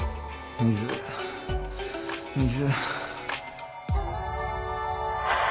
水水